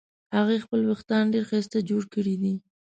هغې خپل وېښته ډېر ښایسته جوړ کړې دي